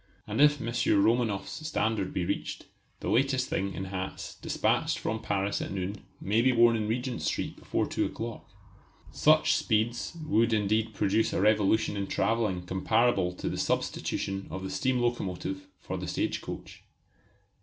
And if M. Romanoff's standard be reached, the latest thing in hats despatched from Paris at noon may be worn in Regent Street before two o'clock. Such speeds would indeed produce a revolution in travelling comparable to the substitution of the steam locomotive for the stage coach.